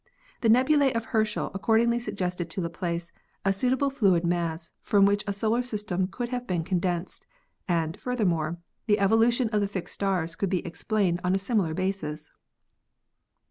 The nebulae of Herschel accordingly suggested to Laplace a suitable fluid mass from which a solar system could have been condensed, and, furthermore, the evolution of the fixed stars could be explained on a similar basis.